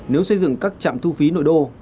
nếu xây dựng các trạm thu phí nội đô